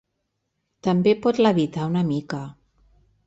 També pot levitar una mica.